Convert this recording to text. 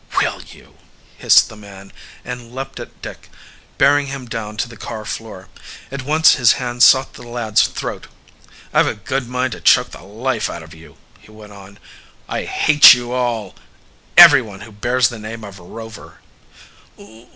"Will you!" hissed the man, and leaped at Dick, bearing him down to the car floor. At once his hand sought the lad's throat. "I've a good mind to choke the life out of you," he went on. "I hate you all everyone who bears the name of Rover!"